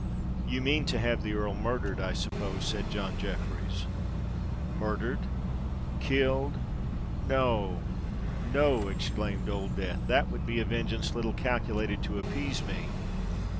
"You mean to have the Earl murdered, I suppose?" said John Jeffreys. "Murdered—killed!—no—no," exclaimed Old Death; "that would be a vengeance little calculated to appease me!